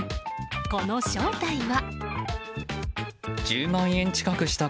この正体は。